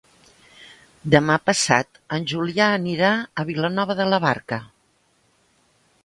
Demà passat en Julià anirà a Vilanova de la Barca.